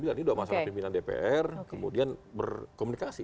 ini sudah masalah pimpinan dpr kemudian berkomunikasi